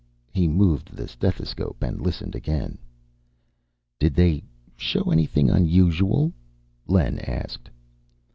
He moved the stethoscope and listened again. "Did they show anything unusual?" Len asked.